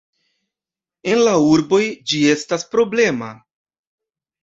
En la urboj, ĝi estas problema.